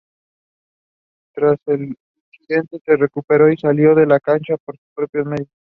Tras el incidente se recuperó y salió de la cancha por sus propios medios.